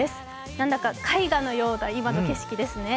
何だか絵画のような今の景色ですね。